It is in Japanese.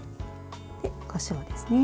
こしょうですね。